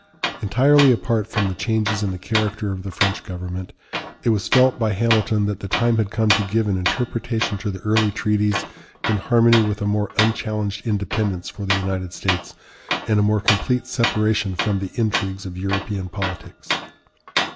Entirely apart from the changes in the character of the French government, it was felt by Hamilton that the time had come to give an interpretation to the early treaties in harmony with a more unchallenged independence for the United States, and a more complete separation from the intrigues of European politics.